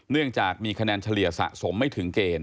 เนื่องจากมีคะแนนเฉลี่ยสะสมไม่ถึงเกณฑ์